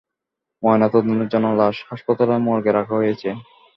ময়নাতদন্তের জন্য লাশ হাসপাতাল মর্গে রাখা হয়েছে।